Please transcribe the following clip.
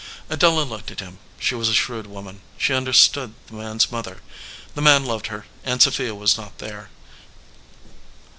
Adela looked at him. She was a shrewd woman. She understood the man s mother. The man loved her, and Sophia was not there.